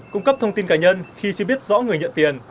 cung cấp thông tin cá nhân khi chưa biết rõ người nhận tiền